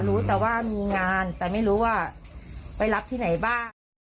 รู้แต่ว่ามีงานแต่ไม่รู้ว่าไปรับที่ไหนบ้าง